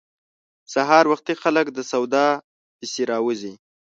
سهار وختي خلک د سودا پسې راوزي.